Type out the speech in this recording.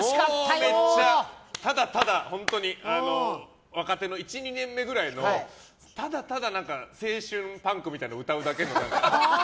ただただ本当に、若手の１２年目くらいのただただ青春パンクみたいなのを歌うだけの。